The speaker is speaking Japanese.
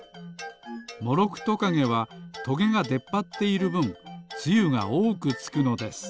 モロクトカゲはトゲがでっぱっているぶんつゆがおおくつくのです。